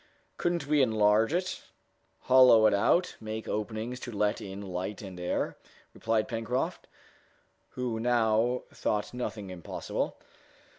"Couldn't we enlarge it, hollow it out, make openings to let in light and air?" replied Pencroft, who now thought nothing impossible.